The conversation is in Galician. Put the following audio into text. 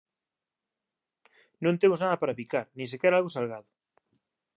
Non temos nada para picar, nin sequera algo salgado.